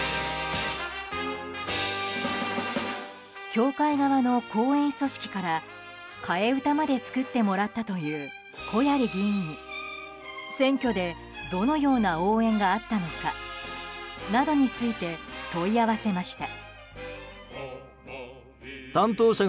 教会側の後援組織から替え歌まで作ってもらったという小鑓議員に選挙で、どのような応援があったのかなどについて問い合わせました。